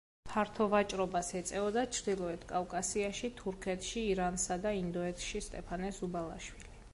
ფართო ვაჭრობას ეწეოდა ჩრდილოეთ კავკასიაში, თურქეთში, ირანსა და ინდოეთში სტეფანე ზუბალაშვილი.